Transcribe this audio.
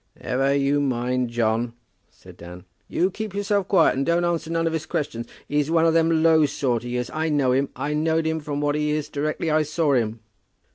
"Never you mind, John," said Dan. "You keep yourself quiet, and don't answer none of his questions. He's one of them low sort, he is. I know him. I knowed him for what he is directly I saw him.